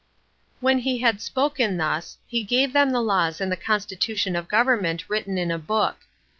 3. When he had spoken thus, he gave them the laws and the constitution of government written in a book.